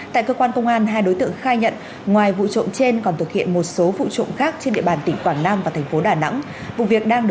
tại cơ quan công an hai đối tượng khai nhận ngoài vụ trộm trên còn thực hiện một số vụ trộm khác trên địa bàn tỉnh quảng nam và thành phố đà nẵng